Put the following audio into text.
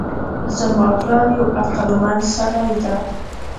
زما پلار یو عقلمند سړی ده